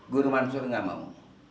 guru mansur enggak mau